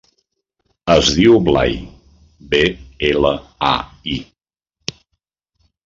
Es diu Blai: be, ela, a, i.